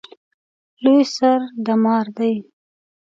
لوی سر د مار دی